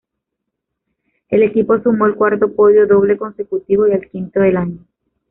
El equipo sumó el cuarto podio doble consecutivo y el quinto del año.